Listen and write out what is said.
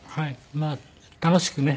まあ楽しくね